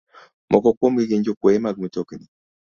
Moko kuomgi gin jokwoye mag mtokni,